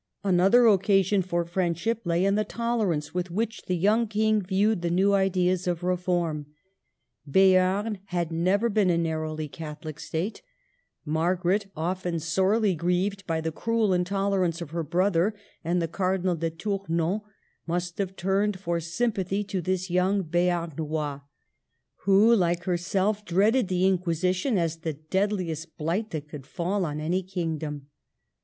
Another occasion for friendship lay in the tolerance with which the young King viewed the new ideas of reform. Beam had never » been a narrowly Catholic State ; Margaret, often sorely grieved by the cruel intolerance of her brother and the Cardinal de Tournon, must have turned for sympathy to this young Bearnols who, like herself, dreaded the Inquisition as the deadliest blight that could fall on any kingdom.